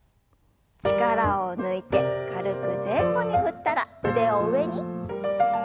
力を抜いて軽く前後に振ったら腕を上に。